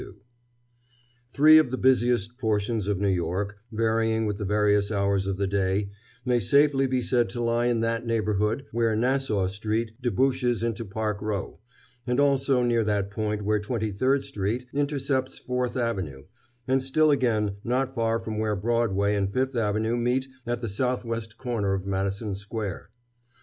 XXII Three of the busiest portions of New York, varying with the various hours of the day, may safely be said to lie in that neighborhood where Nassau Street debouches into Park Row, and also near that point where Twenty third Street intercepts Fourth Avenue, and still again not far from where Broadway and Fifth Avenue meet at the southwest corner of Madison Square.